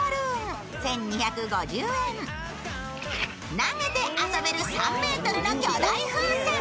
投げて遊べる３ｍの巨大風船。